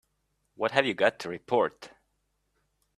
What have you got to report?